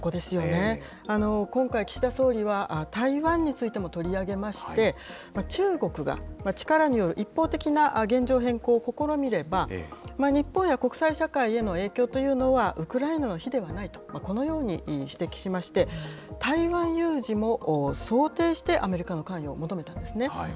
今回、岸田総理は台湾についても取り上げまして、中国が力による一方的な現状変更を試みれば、日本や国際社会への影響というのは、ウクライナの比ではないと、このように指摘しまして、台湾有事も想定して、アメリカの関与を求めたんですね。